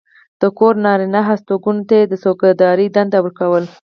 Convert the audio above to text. د کور نارینه هستوګنو ته یې د څوکېدارۍ دنده ورکوله.